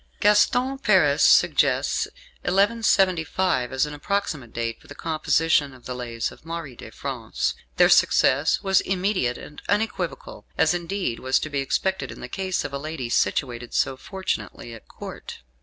Gaston Paris suggests 1175 as an approximate date for the composition of the "Lays" of Marie de France. Their success was immediate and unequivocal, as indeed was to be expected in the case of a lady situated so fortunately at Court.